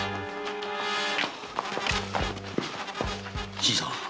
新さん